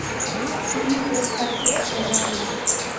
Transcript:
Tiene tres partes o barrios.